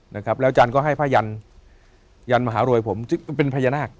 นะครับแล้วอาจารย์ก็ให้ผ้ายันยันมหารวยผมซึ่งเป็นพญานาค